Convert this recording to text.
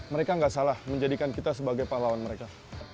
mereka nggak salah menjadikan kita sebagai pahlawan mereka